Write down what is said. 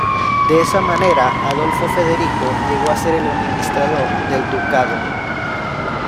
De esa manera, Adolfo Federico llegó a ser el administrador del ducado.